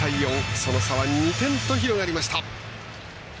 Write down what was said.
その差は２点と広がりました。